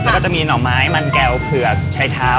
แล้วก็จะมีหน่อไม้มันแก้วเผือกชายเท้า